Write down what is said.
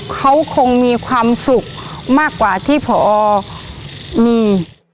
เขาคงมีความสุขมากกว่าที่พอมี